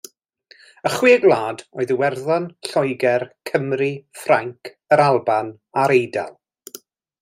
Y chwe gwlad oedd Iwerddon, Lloegr, Cymru, Ffrainc, Yr Alban a'r Eidal.